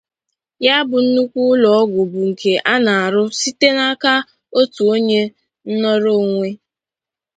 Ya bụ nnukwu ụlọọgwụ bụ nke a na-arụ site n'aka otu onye nnọrọonwe